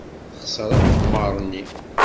Texṣer aqemmer-nni.